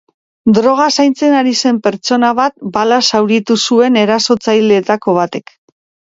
Droga zaintzen ari zen pertsona bat balaz zauritu zuen erasotzaileetako batek.